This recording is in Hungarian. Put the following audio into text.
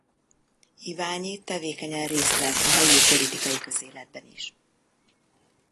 Iványi tevékenyen részt vett a helyi politikai közéletben is.